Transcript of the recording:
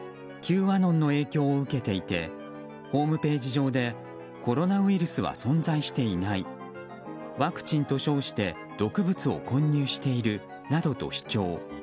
Ｑアノンの影響を受けていてホームページ上でコロナウイルスは存在していないワクチンと称して毒物を混入しているなどと主張。